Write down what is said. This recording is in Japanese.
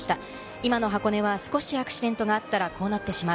今の箱根は少しアクシデントがあったらこうなってしまう。